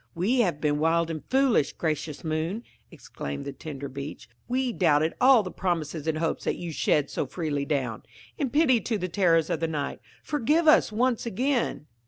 "We have been wild and foolish, gracious moon!" exclaimed the tender Beech. "We doubted all the promises and hopes that you shed so freely down. In pity to the terrors of the night, forgive us once again!"